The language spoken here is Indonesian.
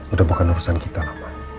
udah bukan urusan kita lah pak